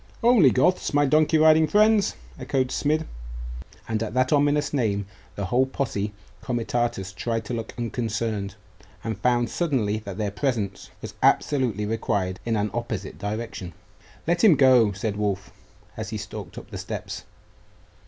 'Only Goths, my donkey riding friends!' echoed Smid, and at that ominous name the whole posse comitatus tried to look unconcerned, and found suddenly that their presence was absolutely required in an opposite direction. 'Let him go,' said Wulf, as he stalked up the steps.